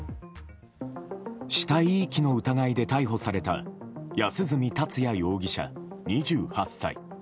死体遺棄の疑いで逮捕された安栖達也容疑者、２８歳。